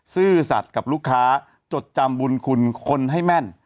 ซื่อสัตว์กับลูกค้าจดจำบุญคุณคนให้แม่น